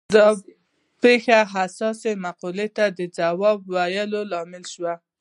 دا پېښه حساسې مقطعې ته د ځواب ویلو لامل شوه.